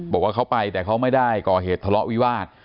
บอกว่าเขาไปแต่เขาไม่ได้ก่อเหตุทะเลาะวิวาส